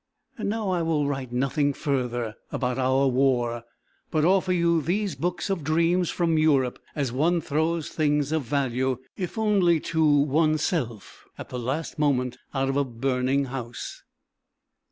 And now I will write nothing further about our war, but offer you these books of dreams from Europe as one throws things of value, if only to oneself, at the last moment out of a burning house.